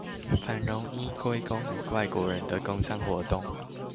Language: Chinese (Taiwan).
繁榮應該歸功於外國人的工商活動